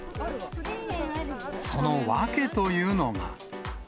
その訳というのが。